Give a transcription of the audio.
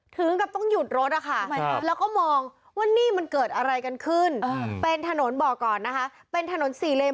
ถึงกับต้องหยุดรถนะคะแล้วก็มองว่านี่มันเกิดอะไรกันขึ้นเป็นถนนบอกก่อนนะคะเป็นถนนสี่เลน